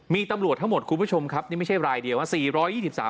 มีตำรวจทั้งหมดคุณผู้ชมครับนี่ไม่ใช่รายเดียวนะ